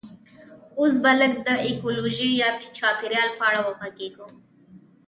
اوس به لږ د ایکولوژي یا چاپیریال په اړه وغږیږو